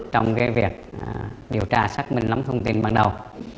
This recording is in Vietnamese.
trong việc điều tra xác minh lắm thông tin ban đầu